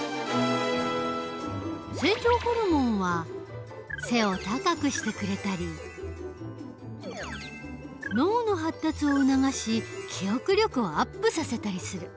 成長ホルモンは背を高くしてくれたり脳の発達を促し記憶力をアップさせたりする。